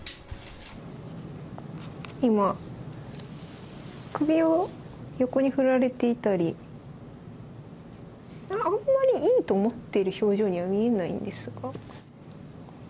今、首を横に振られていたり、あんまりいいと思ってる表情には見えないんですが。